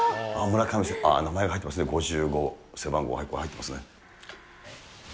村上選手、名前が入ってますね、５５、背番号入ってますね。